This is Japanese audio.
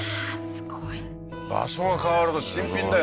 すごい場所が変わると新品だよ